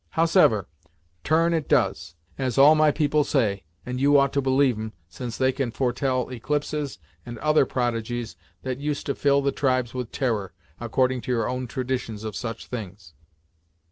Howsever, turn it does, as all my people say, and you ought to believe 'em, since they can foretell eclipses, and other prodigies, that used to fill the tribes with terror, according to your own traditions of such things."